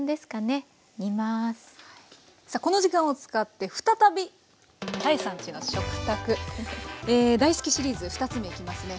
この時間を使って再び「多江さんちの食卓」。大好きシリーズ２つ目いきますね。